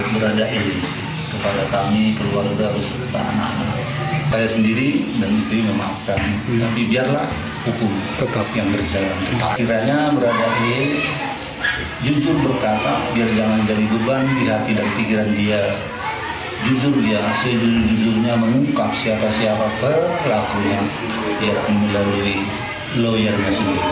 berita terkini mengenai penyelesaian kasus di jalur hukum